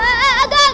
rafa main dong